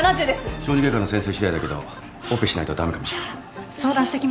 小児外科の先生しだいだけどオペしないと駄目かもしれない。